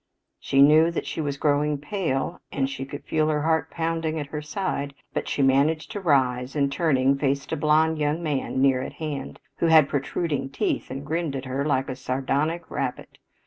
She knew that she was growing pale and she could feel her heart pounding at her side, but she managed to rise, and, turning, faced a blond young man near at hand, who had protruding teeth and grinned at her like a sardonic rabbit.